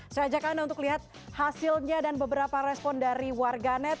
saya ajak anda untuk lihat hasilnya dan beberapa respon dari warganet